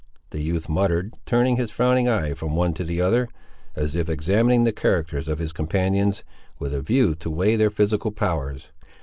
the youth muttered, turning his frowning eye from one to the other, as if examining the characters of his companions, with a view to weigh their physical powers.